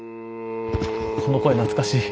この声懐かしい。